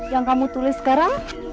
yang kamu tulis sekarang